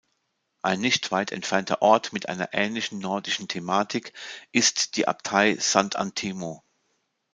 Ein nicht weit entfernter Ort mit einer ähnlichen nordischen Thematik ist die Abtei Sant’Antimo.